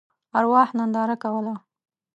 ارواح ننداره کوله.